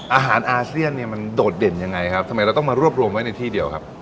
อาเซียนเนี่ยมันโดดเด่นยังไงครับทำไมเราต้องมารวบรวมไว้ในที่เดียวครับ